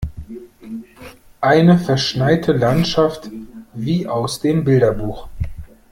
Eine verschneite Landschaft wie aus dem Bilderbuch.